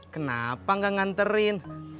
kenapa nggak nganterin